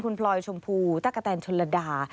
คุณพลอยชมพูตะกะแตนชนระดา